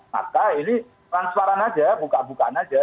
maka ini transparan saja buka bukaan saja